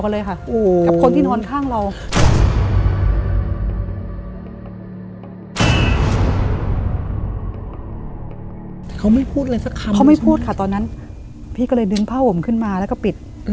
เพราะไม่พูดค่ะตอนนั้นพี่ก็เลยดึงผ้าผมขึ้นมาแล้วก็ปิด